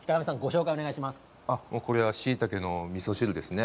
しいたけのみそ汁ですね。